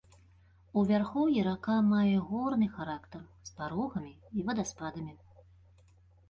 У вярхоўі рака мае горны характар, з парогамі і вадаспадамі.